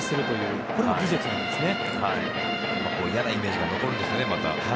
嫌なイメージが残るんですよね。